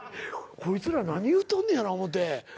こいつら何言うとんねやな思って。